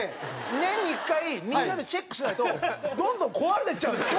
年に１回みんなでチェックしないとどんどん壊れていっちゃうんですよ。